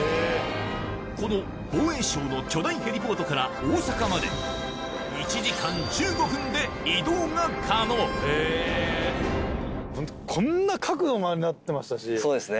この防衛省の巨大ヘリポートから大阪までで移動が可能そうですね。